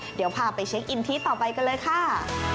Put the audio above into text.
เดี๋ยวพาไปเช็คอินที่ต่อไปกันเลยค่ะ